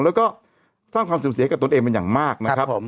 แล้วก็สร้างความเสื่อมเสียกับตนเองเป็นอย่างมากนะครับผม